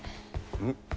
うん？